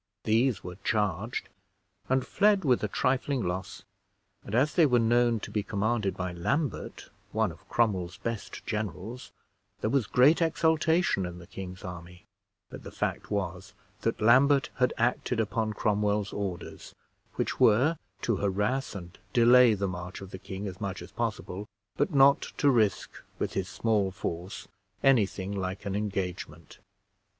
These were charged, and fled with a trifling loss; and as they were known to be commanded by Lambert, one of Cromwell's best generals, there was great exultation in the king's army; but the fact was, that Lambert had acted upon Cromwell's orders, which were to harass and delay the march of the king as much as possible, but not to risk with his small force any thing like an engagement.